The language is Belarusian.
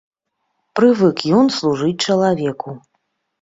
Прывык ён служыць чалавеку.